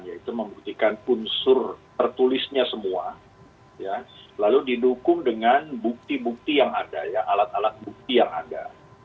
yaitu membuktikan unsur tertulisnya semua lalu didukung dengan bukti bukti yang ada ya alat alat bukti yang ada